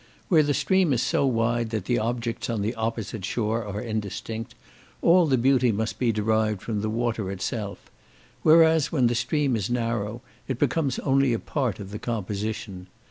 Where the stream is so wide that the objects on the opposite shore are indistinct, all the beauty must be derived from the water itself; whereas, when the stream is narrow, it becomes only a part of the composition.